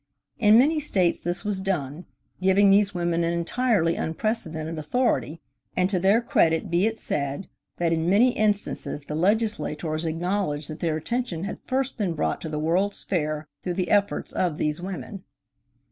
In many States this was done, giving these women an entirely unprecedented authority, and to their credit be it said, that in many instances the legislators acknowledged that their attention had first been brought to the World's Fair through the efforts of these women.